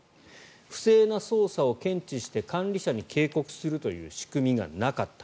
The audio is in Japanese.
不正な操作を検知して管理者に警告するという仕組みがなかった。